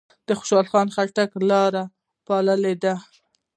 د خوشحال خان خټک لار یې پاللې ده.